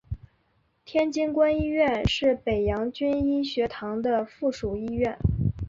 天津官医院是北洋军医学堂的附属医院。